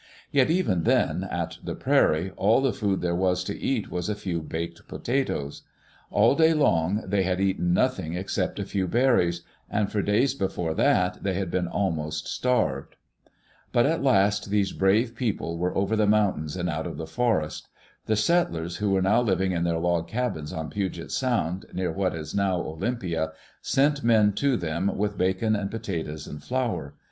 Yet even then, at the prairie, all the food there was to eat was a few baked potatoes. All day long, they had eaten nothing except a few berries; and for days before that they had been almost starved. But at last these brave people were over the mountains and out of the forest. The settlers who were living in their log cabins on Puget Sound, near what is now Olym pia, sent men to them with bacon and potatoes and flour.